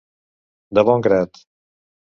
De bon grat.